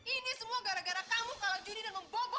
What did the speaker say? ini semua gara gara kamu kalah judi dan membobol